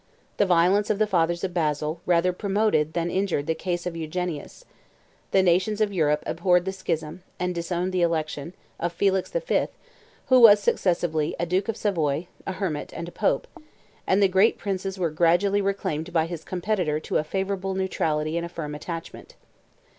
The violence of the fathers of Basil rather promoted than injured the cause of Eugenius; the nations of Europe abhorred the schism, and disowned the election, of Felix the Fifth, who was successively a duke of Savoy, a hermit, and a pope; and the great princes were gradually reclaimed by his competitor to a favorable neutrality and a firm attachment.